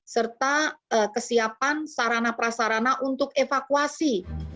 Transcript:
serta kesiapan sarana prasarana untuk evakuasi